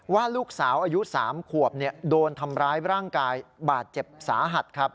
ว่าลูกสาวอายุ๓ขวบโดนทำร้ายร่างกายบาดเจ็บสาหัสครับ